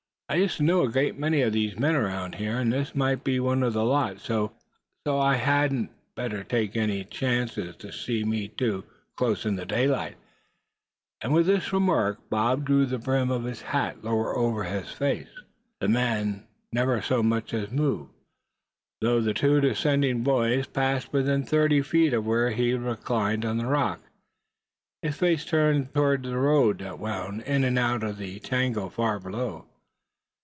"I used to know a good many of the men around here, and this might be one of the lot; so I hadn't better take any chances of his seeing me too close in the daylight," and with this remark Bob drew the brim of his hat lower over his face. The man never so much as moved, though the two descending boys passed within thirty feet of where he reclined on the rock, his face turned toward the road that wound in and out of the tangle far below.